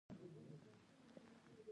دوکاندار د شپې حساب کتاب سموي.